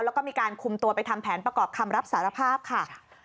แล้วก็มีการคุมตัวไปทำแผนประกอบคำรับสารภาพค่ะ